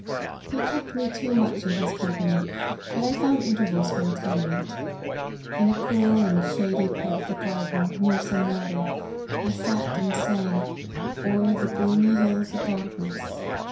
He kept me too much in his company, but 1 found intervals for re tirement. In a cool and shady part of the gar den, near some water, I sat and sang ' O'er the gloomy hills of darkness.'